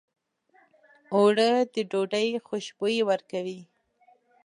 اوړه د ډوډۍ خوشبويي ورکوي